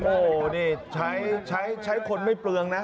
โอ้โหนี่ใช้คนไม่เปลืองนะ